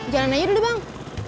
jalan aja dulu bang